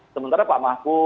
sementara pak mahku